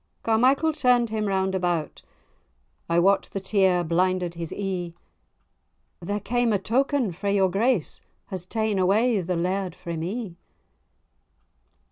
Carmichael turn'd him round about (I wot the tear blinded his ee), "There came a token frae your grace, Has ta'en away the laird frae me."